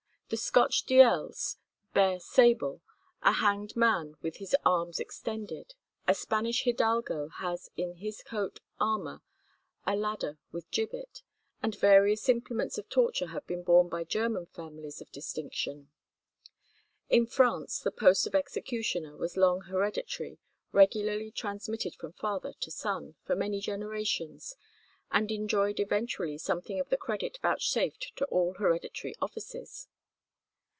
The Scotch Dalziels bear sable, a hanged man with his arms extended; a Spanish hidalgo has in his coat armour a ladder with gibbet; and various implements of torture have been borne by German families of distinction. In France the post of executioner was long hereditary, regularly transmitted from father to son, for many generations, and enjoyed eventually something of the credit vouchsafed to all hereditary offices.